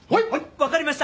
わかりました。